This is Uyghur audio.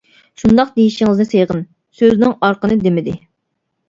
شۇنداق دېيىشىڭىزنى سېغىن. سۆزىنىڭ ئارقىنى دېمىدى.